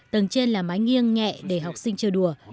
tầng trên là mái nghiêng nhẹ để học sinh chơi đùa